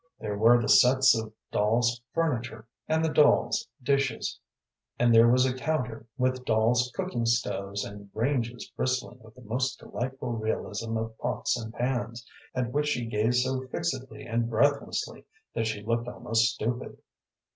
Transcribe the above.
There were the sets of dolls' furniture, and the dolls, dishes, and there was a counter with dolls' cooking stoves and ranges bristling with the most delightful realism of pots and pans, at which she gazed so fixedly and breathlessly that she looked almost stupid.